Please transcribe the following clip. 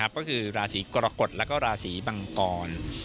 ก็คือราศีกรกฎและราศีมังกร